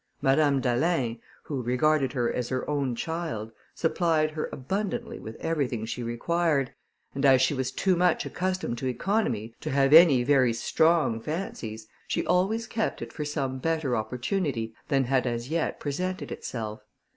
Madame d'Alin, who regarded her as her own child, supplied her abundantly with everything she required, and as she was too much accustomed to economy to have any very strong fancies, she always kept it for some better opportunity than had as yet presented itself.